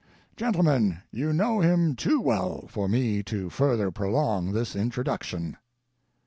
Gentlemen, you know him too well for me to further prolong this introduction."